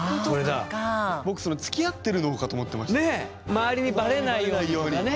周りにバレないようにとかね。